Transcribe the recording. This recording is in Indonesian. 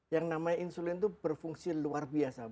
yang namanya insulin itu berfungsi luar biasa